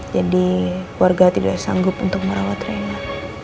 jadi keluarga tidak sanggup untuk merawat reina